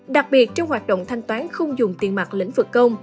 đặc biệt trong hoạt động thanh toán không dùng tiền mặt lĩnh vực công